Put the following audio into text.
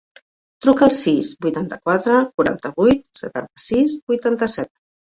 Truca al sis, vuitanta-quatre, quaranta-vuit, setanta-sis, vuitanta-set.